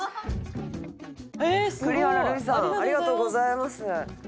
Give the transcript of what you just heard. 栗原類さんありがとうございます。